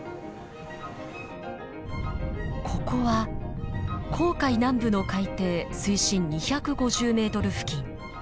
ここは紅海南部の海底水深２５０ｍ付近。